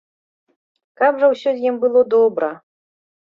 Каб жа ўсё з ім было добра!